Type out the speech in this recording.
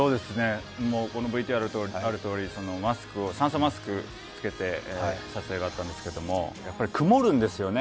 このＶＴＲにあるとおり酸素マスクをつけて撮影があったんですけど、やっぱり曇るんですよね。